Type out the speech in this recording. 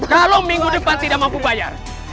kalau minggu depan tidak mampu bayar